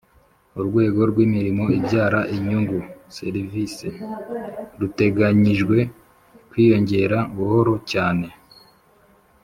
urwego rw'imirimo ibyara inyungu (services) ruteganyijwe kwiyongera buhoro cyane.